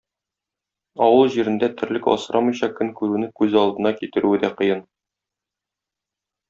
Авыл җирендә терлек асрамыйча көн күрүне күз алдына китерүе дә кыен.